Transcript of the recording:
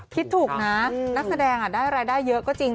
คิดถูกนะนักแสดงได้รายได้เยอะก็จริง